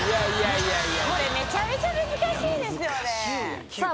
いやいやこれめちゃめちゃ難しいですよねさあ